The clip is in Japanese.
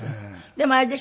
でもあれでしょ？